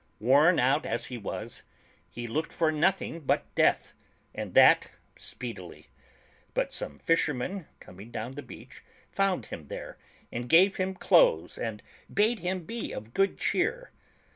Worn out as he was, he looked for nothing but death, and that speedily. But some fishermen, coming down to the beach, found him there, and gave him clothes and bade him be of good cheer.